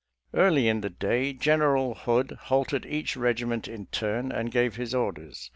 Early in the day Gen eral Hood halted each regiment in turn, and gave his orders.